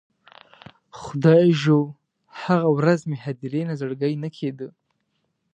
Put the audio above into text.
خدایږو، هغه ورځ مې هدیرې نه زړګی نه کیده